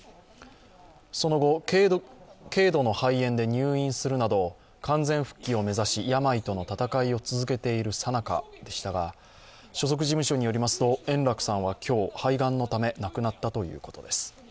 その後、軽度の肺炎で入院するなど完全復帰を目指し、病との闘いを続けているさなかでしたが所属事務所によりますと円楽さんは今日肺がんのため亡くなったということです。